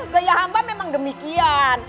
gaya hamba memang demikian